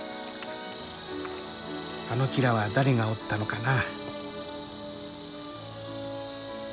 あのキラは誰が織ったのかな。